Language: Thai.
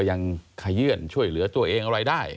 ยังขยื่นช่วยเหลือตัวเองอะไรได้